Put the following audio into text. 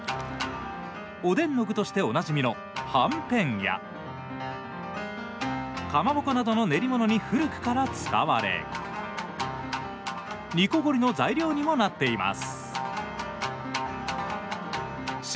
おでんの具としておなじみのはんぺんやかまぼこなどの練り物に古くから使われにこごりの材料にもなっています。